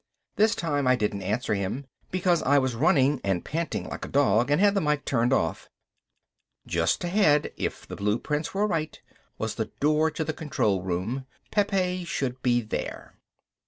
This time I didn't answer him, because I was running and panting like a dog, and had the mike turned off. Just ahead, if the blueprints were right, was the door to the control room. Pepe should be there.